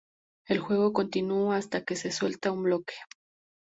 El juego continúa hasta que se suelta un bloque.